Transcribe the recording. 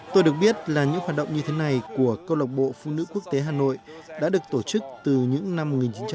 tôi được biết là những hoạt động như thế này của câu lọc bộ phụ nữ quốc tế hà nội đã được tổ chức từ những năm một nghìn chín trăm bảy mươi